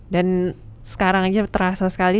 dan sekarang aja terasa sekali